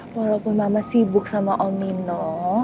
walaupun mama sibuk sama om nino